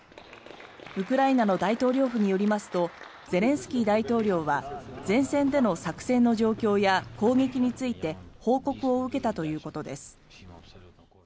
ウクライナの大統領府によりますとゼレンスキー大統領は前線での作戦の状況や攻撃について報告を受けたということです。